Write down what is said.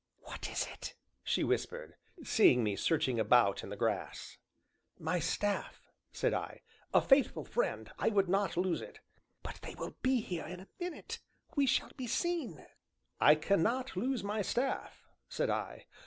"What is it?" she whispered, seeing me searching about in the grass. "My staff," said I, "a faithful friend; I would not lose it." "But they will be here in a minute we shall be seen." "I cannot lose my staff," said I.